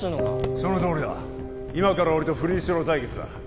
そのとおりだ今から俺とフリースロー対決だ